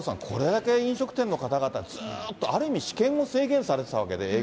これだけ飲食店の方々、ずっとある意味、私権も制限されてたわけで。